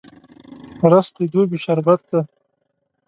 رس د دوبي شربت دی